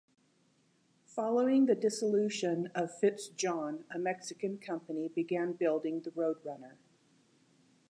Following the dissolution of FitzJohn, a Mexican company began building the Roadrunner.